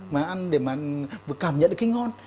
mà ăn để mà cảm nhận được cái ngon